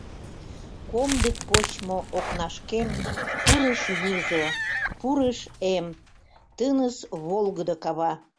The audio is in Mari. Комдык почмо окнашкем Пурыш юзо, пурыш эм — Тыныс волгыдо кава.